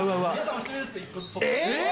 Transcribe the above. えっ？